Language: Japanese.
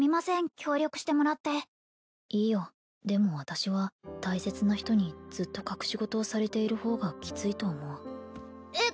協力してもらっていいよでも私は大切な人にずっと隠し事をされている方がキツいと思うえっ